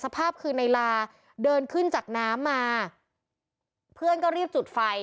สภาพคือในลาเดินขึ้นจากน้ำมาเพื่อนก็รีบจุดไฟ